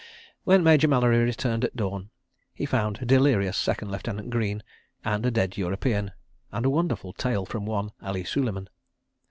When Major Mallery returned at dawn he found a delirious Second Lieutenant Greene (and a dead European, and a wonderful tale from one Ali Suleiman.